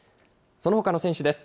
そのほかの選手です。